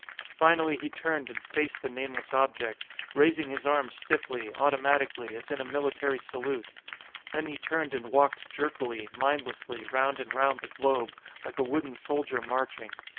Finally he turned and faced the nameless object, raising his arm stiffly, automatically, as in a military salute. Then he turned and walked jerkily, mindlessly, round and round the globe like a wooden soldier marching.